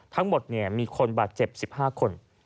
ทั้งหมดมีคนบาดเจ็บ๑๕คน